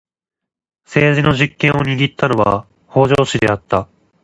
政治の実権を握ったのは北条氏であった。